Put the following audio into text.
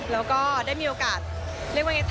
แล้วก็ได้มีโอกาสเรียกว่าไง